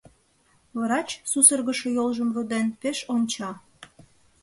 Врач, сусыргышо йолжым руден, пеш онча.